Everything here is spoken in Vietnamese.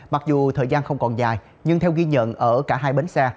mặc dù thời gian không còn dài nhưng theo ghi nhận ở cả hai bến xe